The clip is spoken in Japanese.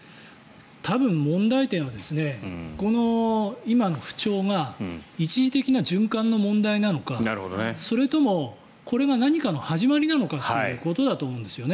多分、問題点はこの今の不調が一時的な循環の問題なのかそれともこれが何かの始まりなのかということだと思うんですね。